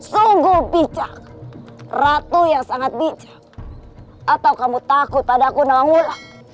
sungguh bijak ratu yang sangat bijak atau kamu takut ada aku namula